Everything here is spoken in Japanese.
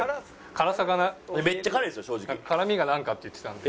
辛みがなんかって言ってたんで。